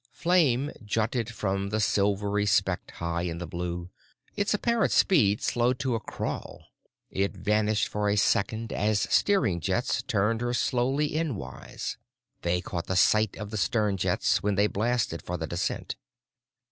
Flame jutted from the silvery speck high in the blue; its apparent speed slowed to a crawl. It vanished for a second as steering jets turned her slowly endwise. They caught sight of the stern jets when they blasted for the descent.